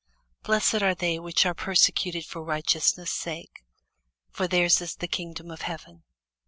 Blessed are they which are persecuted for righteousness' sake: for their's is the kingdom of heaven.